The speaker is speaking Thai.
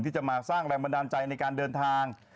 ที่จะมาสร้างแรงบันดาลใจในการเดินทาง